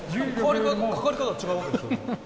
かかり方違うわけですよね？